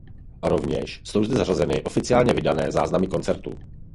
Rovněž jsou zde zařazeny oficiálně vydané záznamy koncertů.